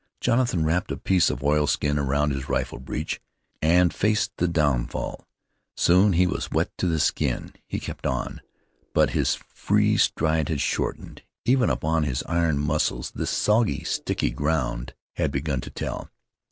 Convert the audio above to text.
Jonathan wrapped a piece of oil skin around his rifle breech, and faced the downfall. Soon he was wet to the skin. He kept on, but his free stride had shortened. Even upon his iron muscles this soggy, sticky ground had begun to tell.